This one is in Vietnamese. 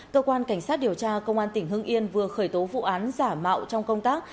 cơ quan cảnh sát điều tra công an tỉnh hưng yên vừa khởi tố vụ án giả mạo trong công tác